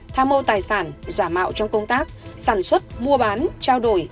tham mô tài sản giả mạo trong công tác sản xuất mua bán trao đổi